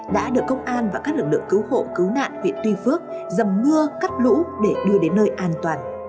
đã được công an và các lực lượng cứu hộ cứu nạn huyện tuy phước dầm mưa cắt lũ để đưa đến nơi an toàn